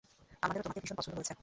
আমাদেরও তোমাকে ভীষণ পছন্দ হয়েছে।